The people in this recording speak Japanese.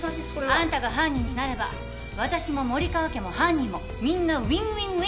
「あんたが犯人になれば私も森川家も犯人もみんなウインウインウインなの」